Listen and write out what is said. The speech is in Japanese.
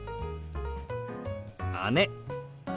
「姉」。